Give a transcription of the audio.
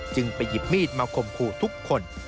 จึงไปหยิบมีดมาคมครู่ทุกคน